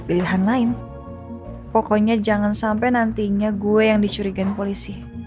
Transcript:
pilihan lain pokoknya jangan sampai nantinya gue yang dicurigain polisi